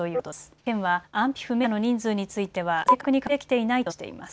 県は安否不明者の人数については正確に確認できていないとしています。